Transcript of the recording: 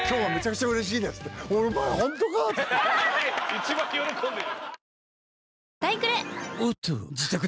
一番喜んでる。